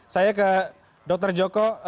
saya ke dokter joko